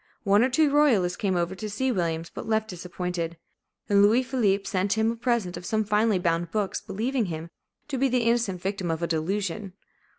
One or two royalists came over to see Williams, but left disappointed; and Louis Philippe sent him a present of some finely bound books, believing him to be the innocent victim of a delusion.